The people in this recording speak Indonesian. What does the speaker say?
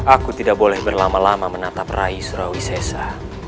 aku tidak boleh berlama lama menatap rai surawi sesa